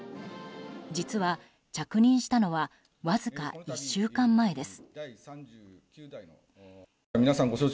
実は、着任したのはわずか１週間前です。